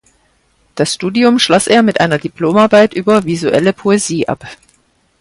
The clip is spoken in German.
Das Studium schloss er mit einer Diplomarbeit über "Visuelle Poesie" ab.